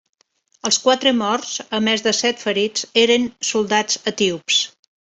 Els quatre morts, a més de set ferits, eren soldats etíops.